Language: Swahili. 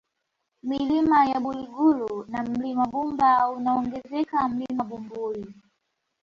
Milima ya Buliguru na Mlima Bumba unaongezeka Mlima Bumbuli